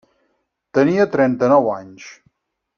Tenia trenta-nou anys.